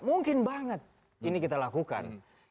mungkin banget ini kita lakukan